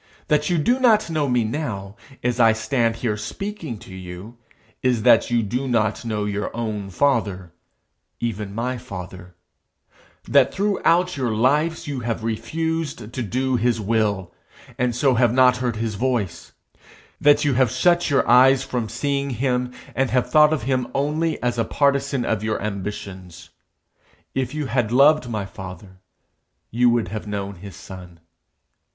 That you do not know me now, as I stand here speaking to you, is that you do not know your own father, even my father; that throughout your lives you have refused to do his will, and so have not heard his voice; that you have shut your eyes from seeing him, and have thought of him only as a partisan of your ambitions. If you had loved my father, you would have known his son.'